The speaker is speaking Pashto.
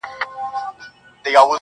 چاته د يار خبري ډيري ښې دي.a